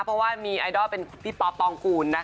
เพราะว่ามีไอดอลเป็นพี่ป๊อปปองกูลนะคะ